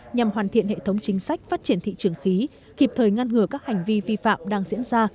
nhằm hoàn thiện hệ thống chính sách phát triển thị trường khí kịp thời ngăn ngừa các hành vi vi phạm đang diễn ra